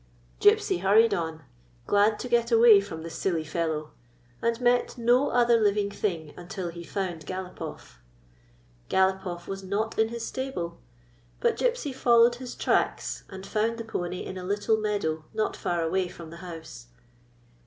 Gypsy hurried on, glad to get away from the silly fellow, and met no other living thing until he found Galopoff. Galopoff was not in his stable ; but Gypsy followed his tracks, and found the pony in a little meadow not far away from the house.